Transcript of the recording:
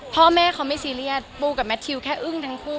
พ่อแม่เขาไม่ซีเรียสปูกับแมททิวแค่อึ้งทั้งคู่